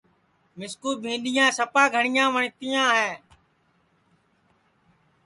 مِسکُو بھینٚڈؔیاں سپا گھٹؔیاں وٹؔتیاں ہے